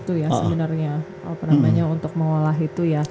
untuk mengolah itu ya